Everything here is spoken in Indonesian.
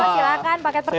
silahkan paket pertama